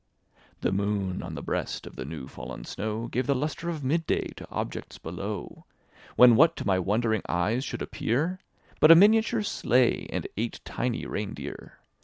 The moDD on the breast of the neW'fsllen snow Gave a luster of mid day to objects below. When, what to my wondering eyes should appear. But a miniature sleigh, and eight tiny reindeer.